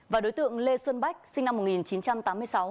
và đối tượng lê xuân bách sinh năm một nghìn chín trăm tám mươi sáu